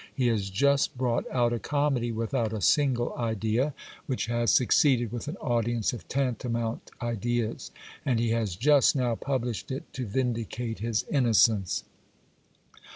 He has just brought out a comedy without a single idea, which has succeeded with an audience of tantamount ideas ; and he has just now published it to vindicate his innocence.